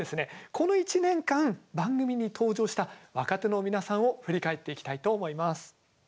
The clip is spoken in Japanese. この一年間番組に登場した若手の皆さんを振り返っていきたいと思います。